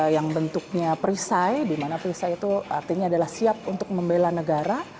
yang bentuknya perisai di mana perisai itu artinya adalah siap untuk membela negara